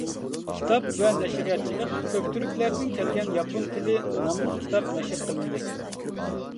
كىتاب ۋە نەشرىياتچىلىق «كۆكتۈركلەردىن كەلگەن ياپون تىلى» ناملىق كىتاب نەشر قىلىندى.